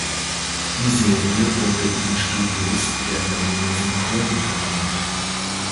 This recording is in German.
Die Serie wurde in den Studios der Berliner Synchron vertont.